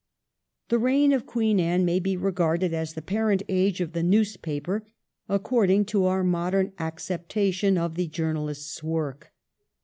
The reign of Queen Anne may be regarded as the parent age of the newspaper, according to our modern acceptation of the journalist's work.